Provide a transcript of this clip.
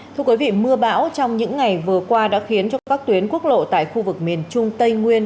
thưa quý vị mưa bão trong những ngày vừa qua đã khiến cho các tuyến quốc lộ tại khu vực miền trung tây nguyên